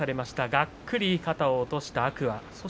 がっくり肩を落とした天空海。